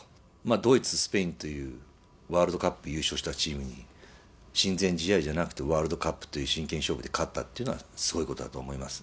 ドイツ、スペインという、ワールドカップ優勝したチームに、親善試合じゃなくて、ワールドカップという真剣勝負で勝ったっていうのはすごいことだと思います。